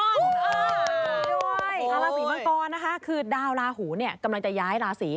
ราศรีมังกรนะคะคือดาวราหูกำลังจะย้ายราศรี